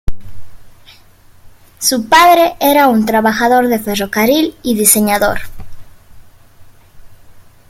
Su padre era un trabajador de ferrocarril y diseñador.